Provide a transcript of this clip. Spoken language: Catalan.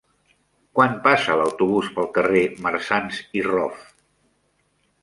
Quan passa l'autobús pel carrer Marsans i Rof?